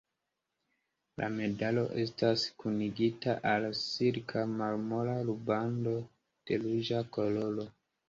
La medalo estas kunigita al silka marmora rubando de ruĝa koloro.